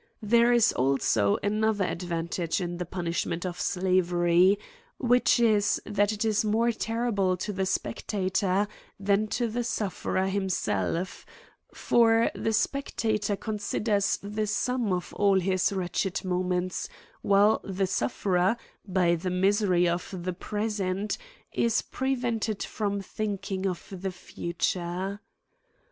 There is also another advantasre in the punishment of slavery, which is, that it is more terrible to the spectator than to the sufferer himself; for the spectator considers the sum of all his wretched moments whilst the sufl'erer, by the misery of the present, is prevent ed from thinking of the future.